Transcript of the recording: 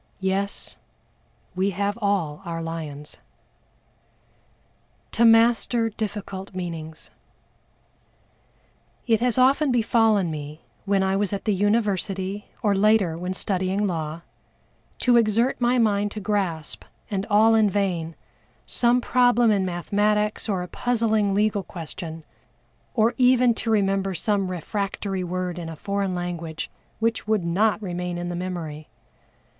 Yes, we have all our lions! To master difficult meanings. It has often befallen me, when I was at the University, or later when studying law, to exert my mind to grasp, and all in vain, some problem in mathematics or a puzzling legal question, or even to remember some refractory word in a foreign language which would not remain in the memory.